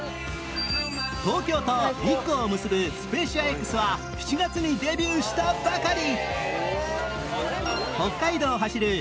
東京と日光を結ぶスペーシア Ｘ は７月にデビューしたばかり！